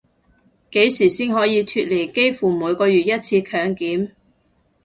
幾時先可以脫離幾乎每個月一次強檢